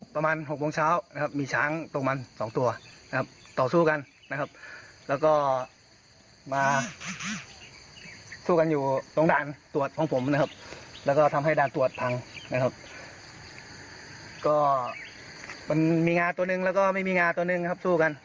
ประมาณ๖โมงเช้านะครับมีช้างประมาณ๒ตัวนะครับต่อสู้กันนะครับ